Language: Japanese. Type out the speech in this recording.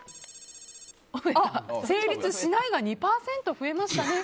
成立しないが２％増えましたね。